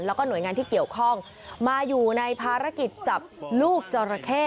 แล้วก็หน่วยงานที่เกี่ยวข้องมาอยู่ในภารกิจจับลูกจราเข้